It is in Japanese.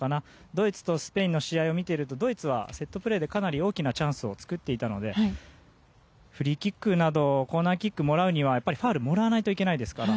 ドイツとスペインの試合を見ているとドイツは、セットプレーでかなり大きなチャンスを作っていたのでフリーキックやコーナーキックをもらうにはやっぱりファウルをもらわないといけないですから。